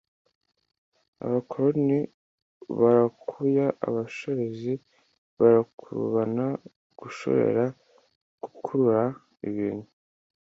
abakoni barakuya: abashorezi barakurubana (gushorera, gukurura ibintu